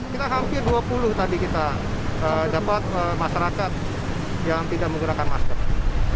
kita hampir dua puluh tadi kita dapat masyarakat yang tidak menggunakan masker